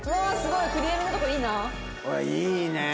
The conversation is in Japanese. いいねえ。